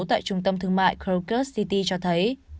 tại trung tâm thương mại krakow city cho thấy